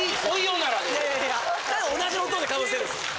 何で同じ音でかぶせるんですか？